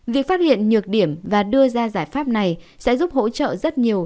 việc phát hiện nhược điểm và đưa ra giải pháp này sẽ giúp hỗ trợ rất nhiều